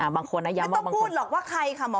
ไม่ต้องพูดหรอกว่าใครค่ะหมอไก่